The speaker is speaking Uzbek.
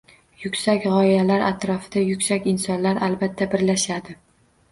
Yuksak g‘oyalar atrofida yuksak insonlar albatta, birlashadi.